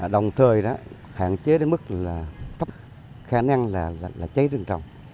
đồng thời hạn chế đến mức là thấp khả năng là cháy rừng trồng